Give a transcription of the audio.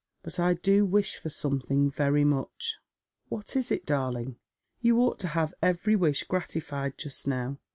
But I do wish for something, very much." " What is it, darling ? You ought to have every wish gratified just now.